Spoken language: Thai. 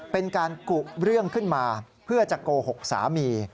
เป็นการกุเรื่องขึ้นมาเพื่อจะโกหกสามี